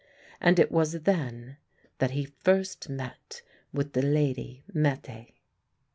And it was then that he first met with the lady Mette.